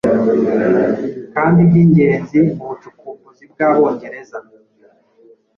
kandi byingenzi mu bucukumbuzi bwAbongereza